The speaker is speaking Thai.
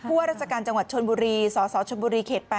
ว่าราชการจังหวัดชนบุรีสสชนบุรีเขต๘